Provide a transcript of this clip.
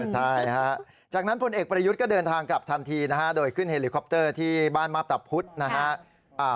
ใช่ฮะจากนั้นพลเอกประยุทธ์ก็เดินทางกลับทันทีนะฮะโดยขึ้นเฮลิคอปเตอร์ที่บ้านมาพตะพุธนะฮะ